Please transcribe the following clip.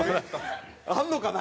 あるのかな？